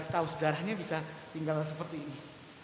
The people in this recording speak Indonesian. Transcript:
tahu sejarahnya bisa tinggal seperti ini